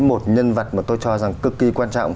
một nhân vật mà tôi cho rằng cực kỳ quan trọng